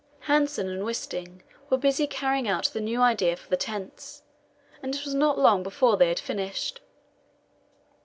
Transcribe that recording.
Hanssen and Wisting were busy carrying out the new idea for the tents, and it was not long before they had finished.